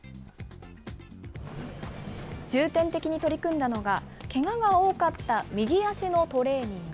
重点的に取り組んだのが、けがが多かった右足のトレーニング。